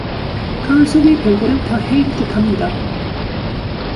가을 속의 별들을 다 헤일 듯합니다.